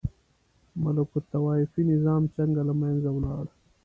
ملوک الطوایفي نظام څنګه له منځه ولاړ؟